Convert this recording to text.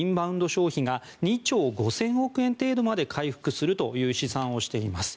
消費が２兆５０００億円程度まで回復するという試算をしています。